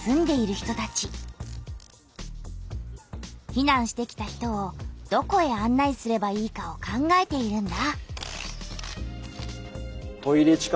ひなんしてきた人をどこへあん内すればいいかを考えているんだ。